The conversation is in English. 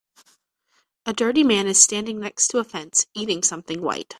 A dirty man is standing next to a fence, eating something white.